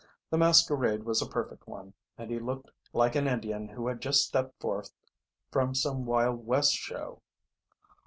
The masquerade was a perfect one, and he looked like an Indian who had just stepped forth from some Wild West show.